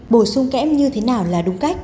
bổ sung kém như thế nào là đúng cách